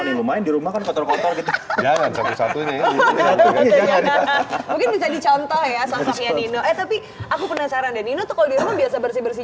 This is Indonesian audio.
mungkin bisa dicontoh ya sasarnya nino eh tapi aku penasaran dan itu tuh kalau biasa bersih bersih